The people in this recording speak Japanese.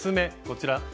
こちら。